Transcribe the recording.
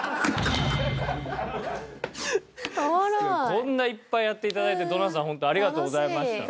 こんないっぱいやって頂いてドナさんホントありがとうございました。